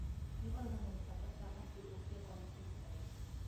იყო ეროვნული საბჭოს საკონსტიტუციო კომისიის წევრი.